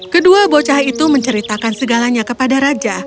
kedua bocah itu menceritakan segalanya kepada raja